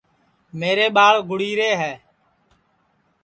میرے ٻاݪ گُڑی رے ہے